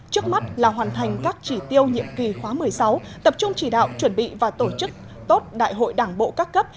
trước mắt là hoàn thành các chỉ tiêu nhiệm kỳ khóa một mươi sáu tập trung chỉ đạo chuẩn bị và tổ chức tốt đại hội đảng bộ các cấp